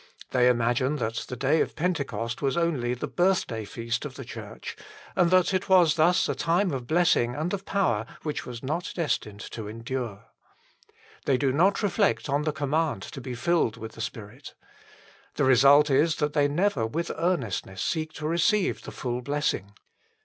They imagine that the day of Pentecost was only the birthday feast of the Church, and that it was thus a time of blessing and of power which was not destined to endure. They do not reflect on the command to be filled with the Spirit. The result is that they never with earnestness seek to receive the full blessing.